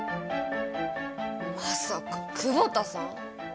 まさか久保田さん？